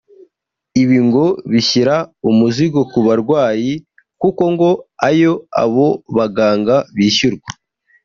Ibi ngo bishyira umuzigo ku barwayi kuko ngo ayo abo baganga bishyurwa